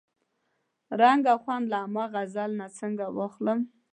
رنګ او خوند له ها غزل نه څنګه واخلم؟